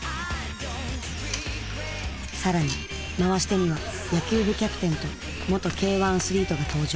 更に回し手には野球部キャプテンと元Ｋ‐１アスリートが登場。